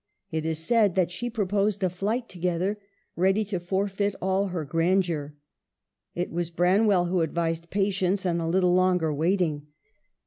It is said that she proposed a flight together, ready to forfeit all her grandeur. It was Branwell who advised patience, and a little longer waiting.